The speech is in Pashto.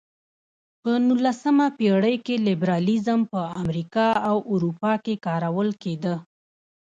په نولسمه پېړۍ کې لېبرالیزم په امریکا او اروپا کې کارول کېده.